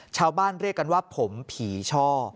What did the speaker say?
ชาวบ้านเรียกกันว่าผมผีช่อ